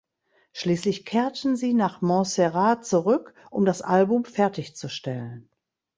Schließlich kehrten sie nach Montserrat zurück um das Album fertig zustellen.